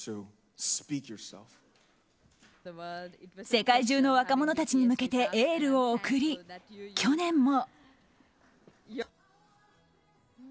世界中の若者たちに向けてエールを送り、去年も。